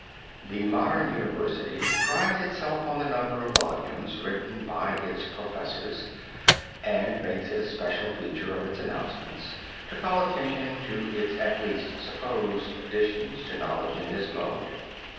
The modern university prides itself on the number of volumes written by its professors and makes it a special feature of its announcements to call attention to its at least supposed additions to knowledge in this mode.